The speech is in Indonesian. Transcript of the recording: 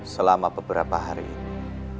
selama beberapa hari ini